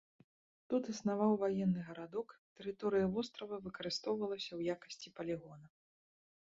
Тут існаваў ваенны гарадок, тэрыторыя вострава выкарыстоўвалася ў якасці палігона.